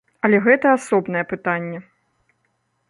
Але гэта асобнае пытанне.